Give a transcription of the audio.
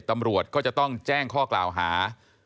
ตำรวจก็จะต้องแจ้งข้อกล่าวหา